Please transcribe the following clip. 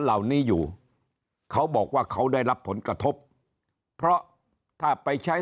เหล่านี้อยู่เขาบอกว่าเขาได้รับผลกระทบเพราะถ้าไปใช้